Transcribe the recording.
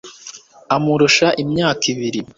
amurusha imyaka ibiri